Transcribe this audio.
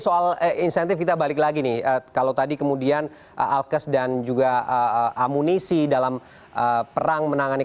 saya ingin memberikan informasi terakhir